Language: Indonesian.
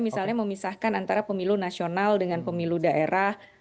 misalnya memisahkan antara pemilu nasional dengan pemilu daerah